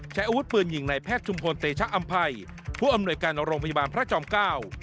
ใช้อาวุธปืนยิงในแพทย์ชุมพลเตชะอำภัยผู้อำนวยการโรงพยาบาลพระจอมเก้า